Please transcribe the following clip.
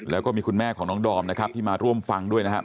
แล้วก็มีคุณแม่ของน้องดอมนะครับที่มาร่วมฟังด้วยนะครับ